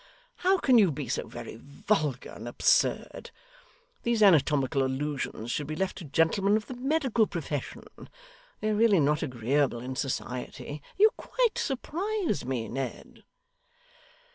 How can you be so very vulgar and absurd? These anatomical allusions should be left to gentlemen of the medical profession. They are really not agreeable in society. You quite surprise me, Ned.